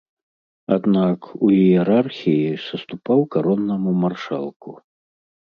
Аднак у іерархіі саступаў кароннаму маршалку.